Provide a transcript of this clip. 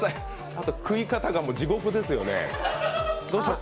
あと、食い方がもう地獄ですよね。